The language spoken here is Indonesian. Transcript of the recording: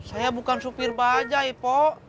saya bukan supir bajaj pok